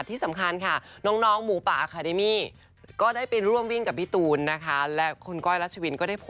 ถูกต้องนะคะถ้าไม่รู้สึกนั้นคุณผ